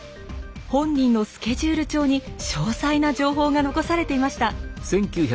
本人のスケジュール帳に詳細な情報が残されていました。